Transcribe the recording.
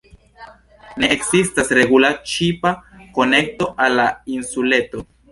Ne ekzistas regula ŝipa konekto al la insuleto.